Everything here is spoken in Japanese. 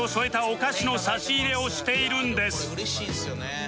これ嬉しいんですよね。